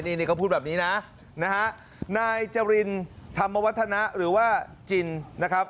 นี่เขาพูดแบบนี้นะนะฮะนายจรินธรรมวัฒนะหรือว่าจินนะครับ